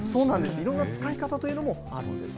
いろんな使い方というのもあるんです。